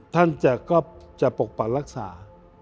ท่านก็จะปกปักรักษา